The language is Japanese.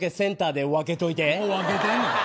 もう分けてんねん！